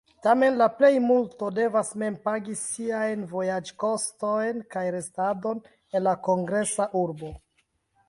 Tamen la plejmulto devas mem pagi siajn vojaĝkostojn kaj restadon en la kongresa urbo.